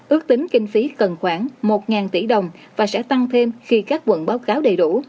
ước tính kinh phí cần khoảng một tỷ đồng và sẽ tăng thêm khi các quận báo cáo đầy đủ